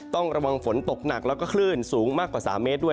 ต้องระวังฝนตกหนักแล้วก็คลื่นสูงมากกว่า๓เมตรด้วย